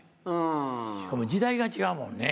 しかも時代が違うもんね。